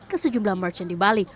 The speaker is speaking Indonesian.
ke sejumlah merchant di bali